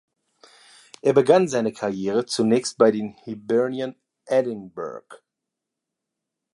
Er begann seine Karriere zunächst bei Hibernian Edinburgh.